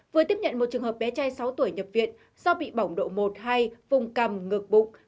vừa tiếp nhận một trường hợp bé trai sáu tuổi nhập viện do bị bỏng độ một hay vùng cầm ngược bụng